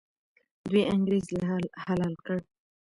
دوی انګریز حلال کړ.